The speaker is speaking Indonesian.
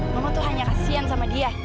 mama tuh hanya kasihan sama dia